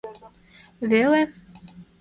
— Веле?!